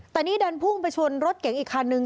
แต่นี่เดินภูมิไปชนรถเก๋งอีกครั้งนึง